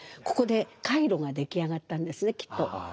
ここで回路が出来上がったんですねきっと。